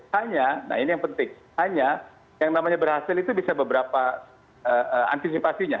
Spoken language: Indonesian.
hanya nah ini yang penting hanya yang namanya berhasil itu bisa beberapa antisipasinya